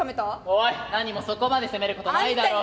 おい何もそこまで責めることないだろ。